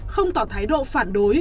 không tỏ thái độ phản đối